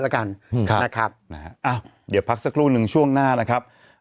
แล้วกันนะครับนะฮะอ้าวเดี๋ยวพักสักครู่หนึ่งช่วงหน้านะครับ